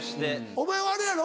お前はあれやろ？